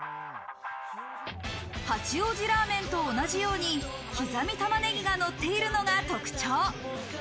八王子ラーメンと同じように刻み玉ねぎがのっているのが特徴。